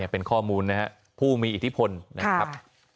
เป็นข้อมูลนะครับผู้มีอิทธิพลนะครับ